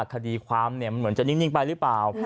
คดีความเหมือนจะนิ่งไปหรือเปล่า